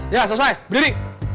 iya selesai berdiri